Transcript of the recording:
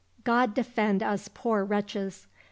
God defend us poor wretches